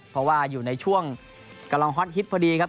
เพราะว่าอยู่ในช่วงกำลังฮอตฮิตพอดีครับ